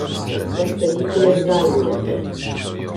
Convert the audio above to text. — Все стоїть незайняте!